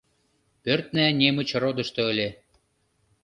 Пӧртна Немычродышто ыле.